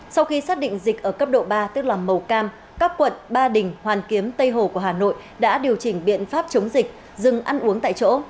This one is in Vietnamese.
sau khi xác định dịch ở cấp độ ba tức là màu cam các quận ba đình hoàn kiếm tây hồ của hà nội đã điều chỉnh biện pháp chống dịch dừng ăn uống tại chỗ